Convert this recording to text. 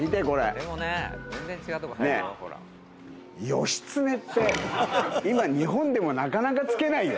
義経って今日本でもなかなか付けないよ。